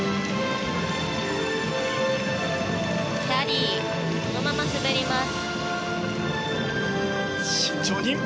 キャリー、そのまま滑ります。